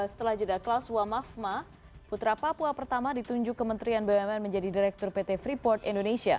setelah jeda klaus wamafma putra papua pertama ditunjuk kementerian bumn menjadi direktur pt freeport indonesia